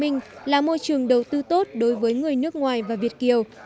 hiện nay tp hcm là môi trường đầu tư tốt đối với người nước ngoài và việt kiều